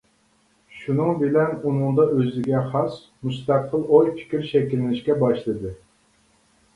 شۇنىڭ بىلەن ئۇنىڭدا ئۆزىگە خاس مۇستەقىل ئوي-پىكىر شەكىللىنىشكە باشلىدى.